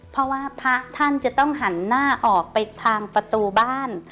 เพราะว่าพระท่านจะต้องหันหน้าออกไปทางประตูบ้าน